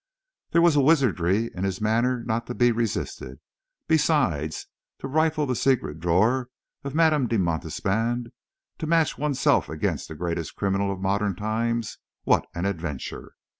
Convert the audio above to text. There was a wizardry in his manner not to be resisted. Besides to rifle the secret drawer of Madame de Montespan! To match oneself against the greatest criminal of modern times! What an adventure!